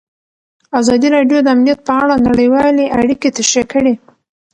ازادي راډیو د امنیت په اړه نړیوالې اړیکې تشریح کړي.